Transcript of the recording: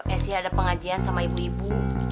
esy ada pengajian sama ibu ibu